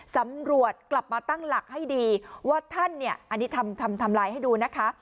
สำรวจกลับมาตั้งหลักให้ดีว่าท่านเนี่ยอันนี้ทำทำลายให้ดูนะคะ